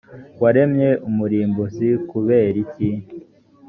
waremye umurimbuzi kuberiki